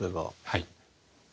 はい。